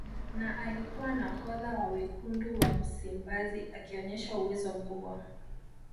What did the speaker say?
Na alikuwa nahodha wa Wekundu wa Msimbazi akionyesha uwezo mkubwa